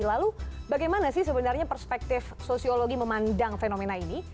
lalu bagaimana sih sebenarnya perspektif sosiologi memandang fenomena ini